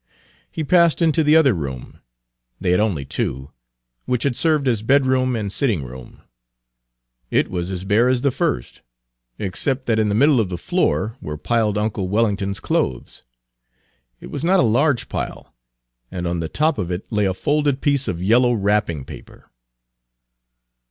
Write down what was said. He passed into the other room, they had only two, which had served as bedroom and sitting room. It was as bare as the first, except that in the middle of the floor were piled uncle Wellington's clothes. It was not a large pile, and on the top of it lay a folded piece of yellow wrapping paper.